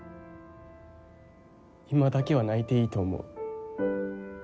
今だけは泣いていいと思う。